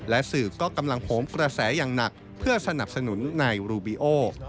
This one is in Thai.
และสื่อก็กำลังโพงกระแสอย่างหนักเพื่อสนับสนุนนายโดนัลด์ทรัมป์